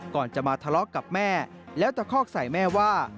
ก่อนจะมาทะเลาะกับแม่แล้วตะคอกใส่แม่ว่า